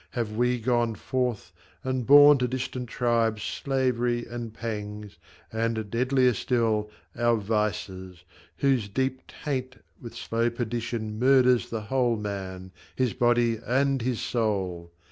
have we gone forth And borne to distant tribes slavery and pangs, And, deadlier far, our vices, whose deep taint With slow perdition murders the whole man, His body and his soul